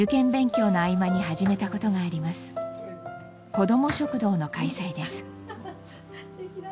子ども食堂の開催です。